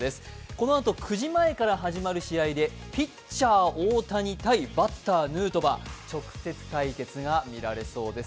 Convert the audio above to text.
このあと９時前から始まる試合でピッチャー・大谷対バッター・ヌートバー直接対決が見られそうです。